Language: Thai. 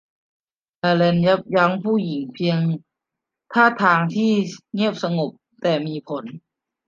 อัลลันยับยั้งผู้หญิงเพียงท่าทางที่เงียบสงบ แต่มีผล